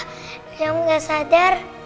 ayam gak sadar